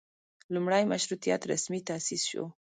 لومړۍ مشروطیت رسمي تاسیس شو.